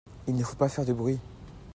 Il ne faut pas faire de bruit.